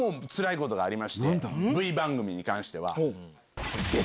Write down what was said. ＶＴＲ番組に関しては。